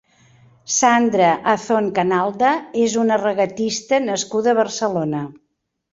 Sandra Azón Canalda és una regatista nascuda a Barcelona.